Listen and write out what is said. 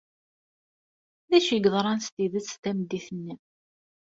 D acu i yeḍran s tidet tameddit-nni.